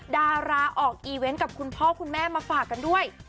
ดาราออกอีเวนต์กับคุณพ่อคุณแม่มาฝากกันด้วย